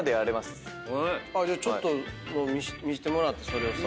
じゃあちょっと見せてもらってそれをさ。